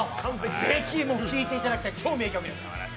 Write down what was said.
是非、もう聴いていただきたい名曲です。